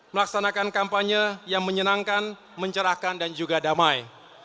melaksanakan kampanye yang menyenangkan mencerahkan dan juga damai